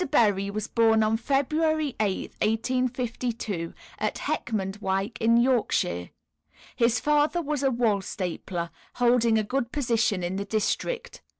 Berry was born on February 8th, 1852, at Heckmondwike, in Yorkshire. His father was a wool stapler, holding a good position in the district.